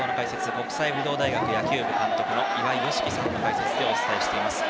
国際武道大学野球部監督の岩井美樹さんの解説でお伝えしています。